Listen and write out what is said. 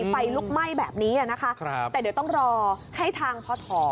ไฟลุกไหม้แบบนี้นะคะแต่เดี๋ยวต้องรอให้ทางพอถอ